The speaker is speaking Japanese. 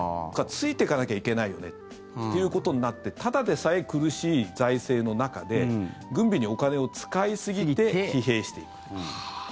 ついてかなきゃいけないよねということになってただでさえ苦しい財政の中で軍備にお金を使いすぎて疲弊していった。